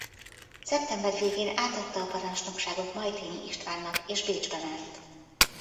Szeptember végén átadta a parancsnokságot Majthényi Istvánnak és Bécsbe ment.